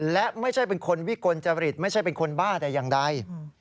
และไม่ใช่เป็นคนวิกลจริตไม่ใช่เป็นคนบ้าแต่อย่างใด